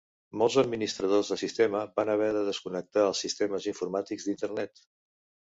Molts administradors de sistemes van haver de desconnectar els sistemes informàtics d'Internet.